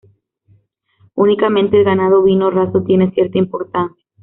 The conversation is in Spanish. Únicamente el ganado ovino raso tiene cierta importancia.